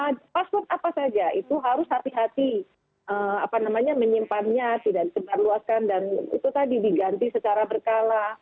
pribadi gitu password apa saja itu harus hati hati apa namanya menyimpannya tidak dikeluarkan dan itu tadi diganti secara berkala